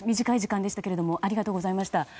短い時間でしたがありがとうございました。